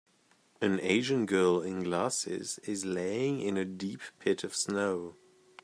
An Asian girl in glasses is laying in a deep pit of snow.